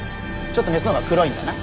ちょっとメスの方が黒いんだな。